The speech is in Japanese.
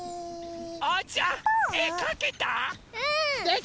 おうちゃん！えかけた？